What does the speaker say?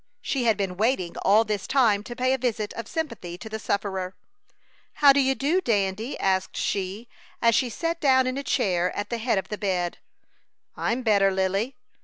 She had been waiting all this time to pay a visit of sympathy to the sufferer. "How do you do, Dandy?" asked she, as she sat down in a chair at the head of the bed. "I'm better, Lily."